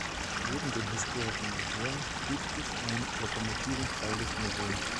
Neben dem historischen Museum gibt es ein "Lokomotiven-Freilichtmuseum".